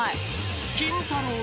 ［キンタロー。